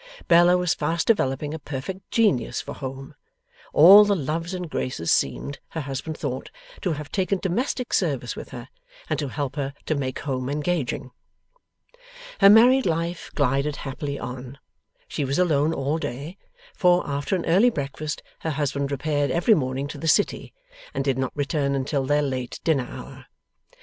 Bella was fast developing a perfect genius for home. All the loves and graces seemed (her husband thought) to have taken domestic service with her, and to help her to make home engaging. Her married life glided happily on. She was alone all day, for, after an early breakfast her husband repaired every morning to the City, and did not return until their late dinner hour.